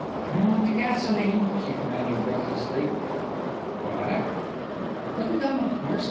"Turn on the gasolene," she commanded breathlessly. "What?" "For the gum of course.